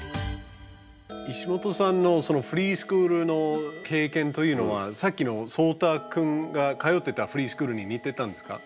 石本さんのそのフリースクールの経験というのはさっきのそうたくんが通ってたフリースクールに似てたんですか？